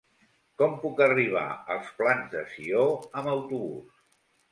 Com puc arribar als Plans de Sió amb autobús?